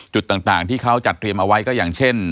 จุดต่างที่เขาจัดเตรียมเอาไว้ก็อย่างเช่น